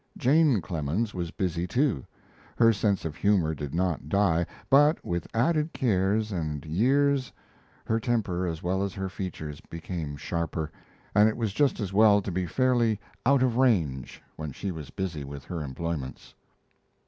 Jane Clemens was busy, too. Her sense of humor did not die, but with added cares and years her temper as well as her features became sharper, and it was just as well to be fairly out of range when she was busy with her employments.